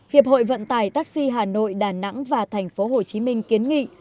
hiệp hội vận tải taxi hà nội đà nẵng và thành phố hồ chí minh kiến nghị